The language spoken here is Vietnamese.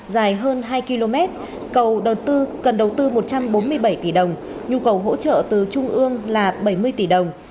dài hơn hai km cầu đầu tư cần đầu tư một trăm bốn mươi bảy tỷ đồng nhu cầu hỗ trợ từ trung ương là bảy mươi tỷ đồng